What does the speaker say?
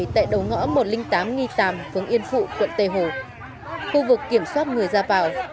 tại đầu ngõ một trăm linh tám nghi tàm phường yên phụ quận tây hồ khu vực kiểm soát người ra vào